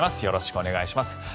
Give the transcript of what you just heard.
よろしくお願いします。